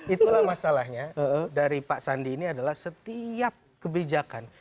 itulah masalahnya dari pak sandi ini adalah setiap kebijakan